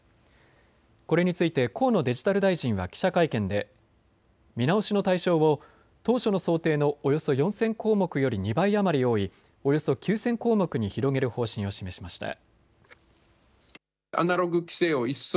これについて河野デジタル大臣は記者会見で見直しの対象を当初の想定のおよそ４０００項目より２倍余り多い、およそ９０００項目に広げる方針を示しました。